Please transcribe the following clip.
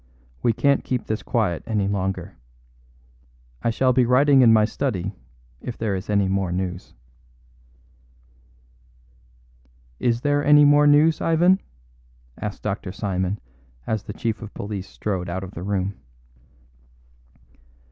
We can't keep this quiet any longer. I shall be writing in my study if there is any more news." "Is there any more news, Ivan?" asked Dr. Simon, as the chief of police strode out of the room.